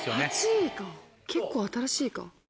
８位か結構新しいか。